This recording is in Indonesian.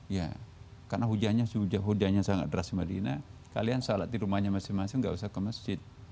ya karena hujannya sangat deras di madinah kalian sholat di rumahnya masing masing nggak usah ke masjid